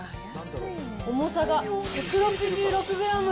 重さが１６６グラム。